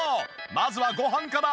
まずはご飯から。